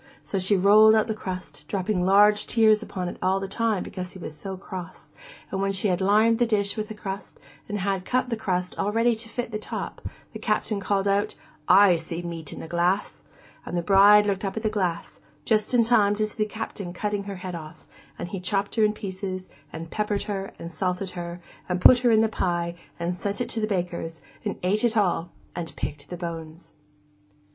So she rolled out the crust, dropping large tears upon it all the time because he was so cross, and when she had lined the dish with crust and had cut the crust all ready to fit the top, the Captain called out, 'I see the meat in the glass!' And the bride looked up at the glass, just in time to see the Captain cutting her head off; and he chopped her in pieces, and peppered her, and salted her, and put her in the pie, and sent it to the baker's, and ate it all, and picked the bones.